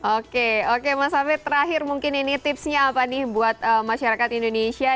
oke oke mas hafid terakhir mungkin ini tipsnya apa nih buat masyarakat indonesia